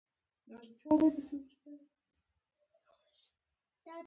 وې ویل دا اخبارونه په تُرکي ژبه دي.